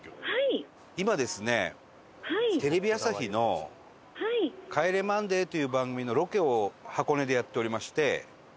今ですね、テレビ朝日の『帰れマンデー』という番組のロケを箱根でやっておりまして。